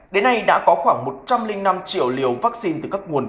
đến nay đã có khoảng một trăm linh năm triệu liều vaccine từ các nguồn